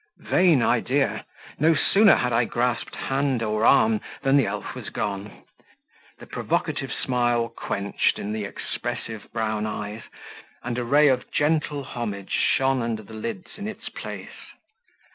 Vain idea! no sooner had I grasped hand or arm than the elf was gone; the provocative smile quenched in the expressive brown eyes, and a ray of gentle homage shone under the lids in its place.